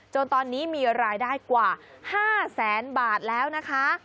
จนตอนนี้มีรายได้กว่า๕แสนบาทแล้วนะคะ